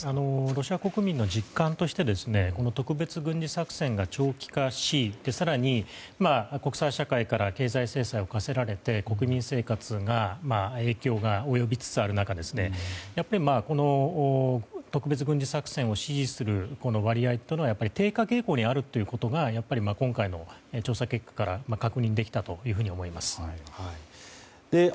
ロシア国民の実感としてこの特別軍事作戦が長期化し更に国際社会から経済制裁を科せられて国民生活に影響が及びつつある中やっぱり、特別軍事作戦を支持する割合というのは低下傾向にあるということが今回の調査結果から確認できたと思います。